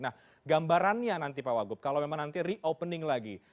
nah gambarannya nanti pak wagub kalau memang nanti reopening lagi